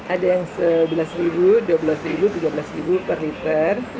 ada yang rp sebelas dua belas rp tiga belas per liter